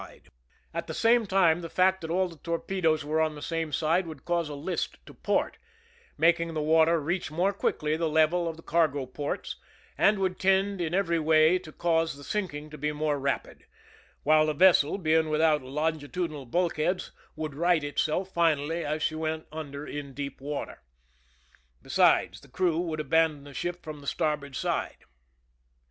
At 18 THE SCHEME AND THE PREPARATIONS the same time, the fact that all the torpedoes were on the same side would cause a list to port, making the water reach more quickly the level of the cargo ports, and would tend in every way to cause the sinking to be more rapid, while the vessel, being without longitudinal bulkheads, would right herself finally as she went under in deep water. Besides, the crew would abandon the ship from the starboard side.